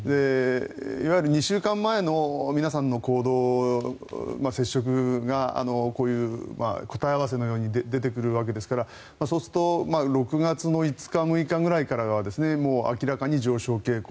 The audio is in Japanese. いわゆる２週間前の皆さんの行動接触がこういう答え合わせのように出てくるわけですからそうすると６月５日、６日ぐらいからは明らかに上昇傾向。